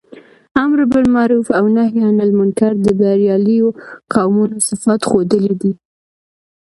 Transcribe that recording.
امر باالمعروف او نهي عنالمنکر د برياليو قومونو صفات ښودلي دي.